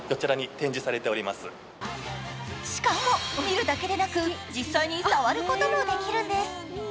しかも、見るだけでなく実際に触ることもできるんです。